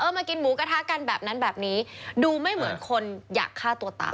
มากินหมูกระทะกันแบบนั้นแบบนี้ดูไม่เหมือนคนอยากฆ่าตัวตาย